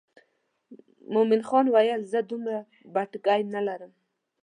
مومن خان وویل زه دومره بتکۍ نه لرم.